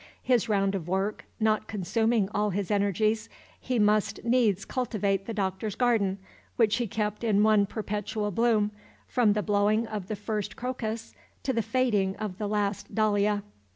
His round of work not consuming all his energies, he must needs cultivate the Doctor's garden, which he kept in one perpetual bloom, from the blowing of the first crocus to the fading of the last dahlia.